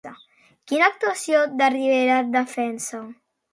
Quina actuació de Rivera defensa?